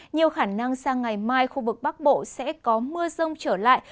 nhiều khả năng sang ngày mai khu vực bắc bộ sẽ có mưa rông trở lại